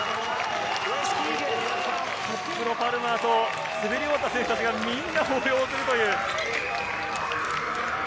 トップのパルマーと、滑り終わった選手がみんな抱擁するという。